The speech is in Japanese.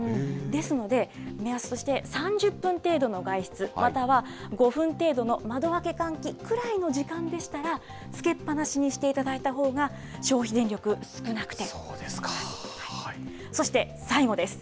ですので、目安として３０分程度の外出、または５分程度の窓開け換気くらいの時間でしたら、つけっぱなしにしていただいたほうが、消費電力、少なくて済みます。